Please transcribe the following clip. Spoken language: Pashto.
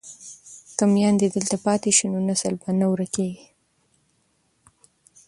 که میندې دلته پاتې شي نو نسل به نه ورکيږي.